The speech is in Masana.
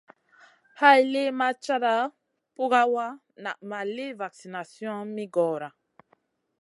Hay li ma cata pukawa naʼ ma li vaksination mi goora.